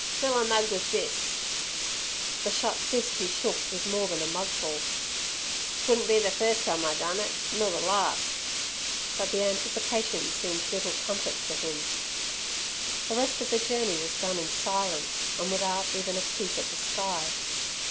"Fill 'er mug with this!" The shut fist he shook was more than a mugful. "'Twouldn' be ther first time I done it, nor ther lars'." But the anticipation seemed little comfort to him. The rest of the journey was done in silence, and without even a peep at the sky.